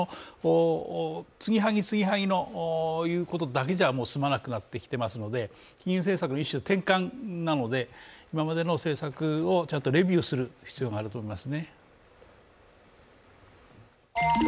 継ぎはぎ継ぎはぎということだけじゃすまなくなってきていますので金融政策の一種転換なので、今までの政策をレビューする必要があると思います。